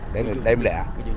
để đem lệ